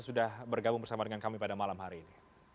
sudah bergabung bersama dengan kami pada malam hari ini